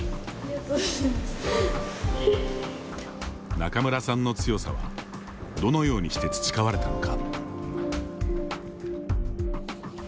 仲邑さんの強さはどのようにして培われたのか。